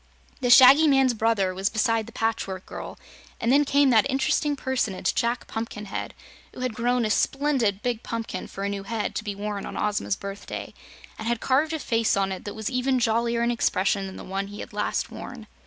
The Shaggy Man's brother was beside the Patchwork Girl, and then came that interesting personage, Jack Pumpkinhead, who had grown a splendid big pumpkin for a new head to be worn on Ozma's birthday, and had carved a face on it that was even jollier in expression than the one he had last worn.